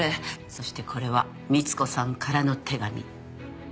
そしてこれは光子さんからの手紙。